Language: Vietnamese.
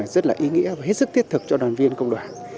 rất là ý nghĩa và hết sức thiết thực cho đoàn viên công đoàn